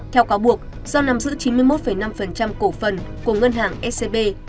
theo cáo buộc do nắm giữ chín mươi một năm cổ phần của ngân hàng scb